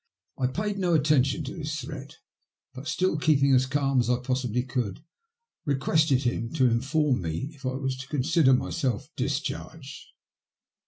I paid no attention to this threat, but, still keeping as calm as I possibly could, requested him to inform me if I was to consider myself discharged.